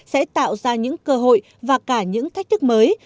sẽ tạo ra những cơ hội và cả những thách thức mới